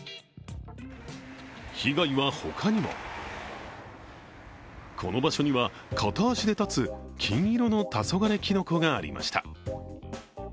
被害は他にもこの場所には片足で立つ金色の黄昏きの子がありました。